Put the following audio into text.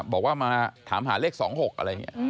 บอกว่ามาถามหาเลข๒๖อะไรอย่างนี้